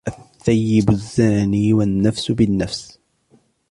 الثَّيِّبِ الزَّانِي، وَالنَّفْسِ بِالنَّفْسِ،